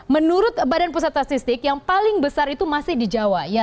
menurut bps yang paling besar itu masih di jawa